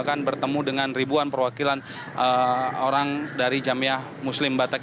akan bertemu dengan ribuan perwakilan orang dari jamiah muslim batak